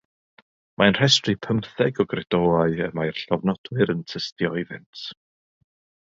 Mae'n rhestru pymtheg o gredoau y mae'r llofnodwyr yn tystio iddynt.